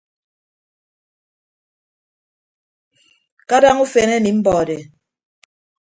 Kadaña ufen emi mbọde.